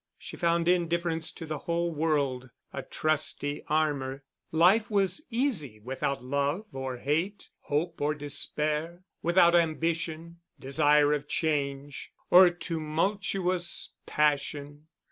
She found indifference to the whole world a trusty armour: life was easy without love or hate, hope or despair, without ambition, desire of change, or tumultuous passion.